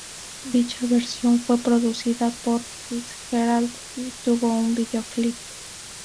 Dicha versión fue producida por Fitzgerald y tuvo un videoclip.